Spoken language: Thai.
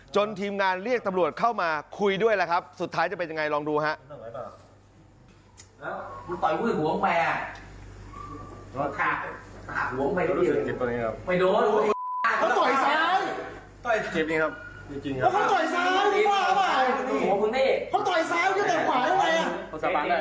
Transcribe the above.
ทีมงานเรียกตำรวจเข้ามาคุยด้วยแหละครับสุดท้ายจะเป็นยังไงลองดูฮะ